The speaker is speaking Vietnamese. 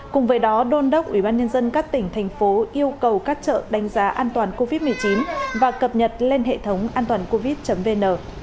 cùng với đó đôn đốc ubnd các tỉnh thành phố yêu cầu các chợ đánh giá an toàn covid một mươi chín và cập nhật lên hệ thống an toàn covid vn